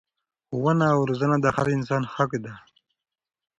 ښوونه او روزنه د هر انسان حق دی.